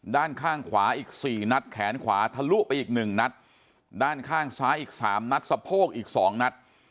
ด้านข้างขวาอีก๔นัดแขนขวาทะลุไปอีก๑นัดด้านข้างซ้ายอีก๓นัดสะโพกอีก๒นัด